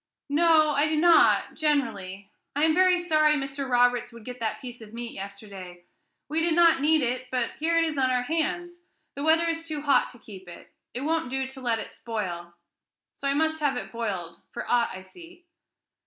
"No, I do not, generally. I am very sorry Mr. Roberts would get that piece of meat yesterday. We did not need it, but here it is on our hands; the weather is too hot to keep it. It won't do to let it spoil; so I must have it boiled, for aught I see."